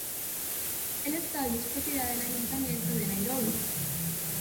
El estadio es propiedad del Ayuntamiento de Nairobi.